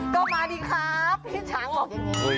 ก็มาดีครับพี่ช้างมาดี